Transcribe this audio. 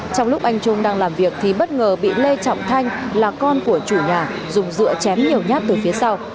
trong lúc anh trung đang làm việc thì bất ngờ bị lê trọng thanh là con của chủ nhà dùng dựa chém nhiều nhát từ phía sau